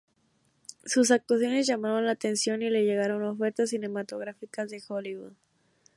Sus actuaciones llamaron la atención y le llegaron ofertas cinematográficas de Hollywood.